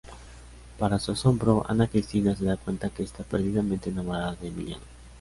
Para su asombro, Ana Cristina se da cuenta que está perdidamente enamorada de Emiliano.